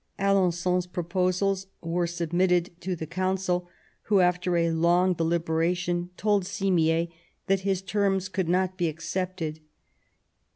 Alen9on's proposals were sub mitted to the Council, who after a long deliberation told Simier that his terms could not be accepted.